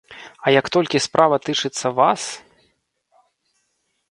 А як толькі справа тычыцца вас!